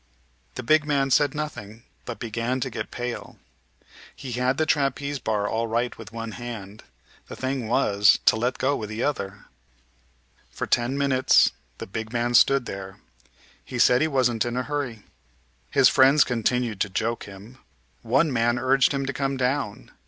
The big man said nothing, but began to get pale. He had the trapeze bar all right with one hand; the thing was to let go with the other. For ten minutes the big man stood there. He said he wasn't in a hurry. His friends continued to joke him. One man urged him to come down.